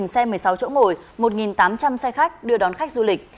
một xe một mươi sáu chỗ ngồi một tám trăm linh xe khách đưa đón khách du lịch